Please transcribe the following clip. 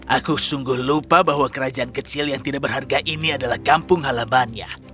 aku sungguh lupa bahwa kerajaan kecil yang tidak berharga ini adalah kampung halamannya